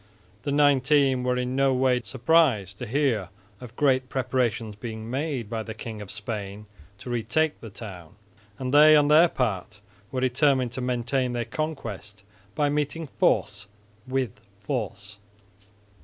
The Nineteen were in no way surprised to hear of great preparations being made by the King of Spain to retake the town, and they on their part were determined to maintain their conquest by meeting force with force.